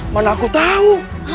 mana aku tahu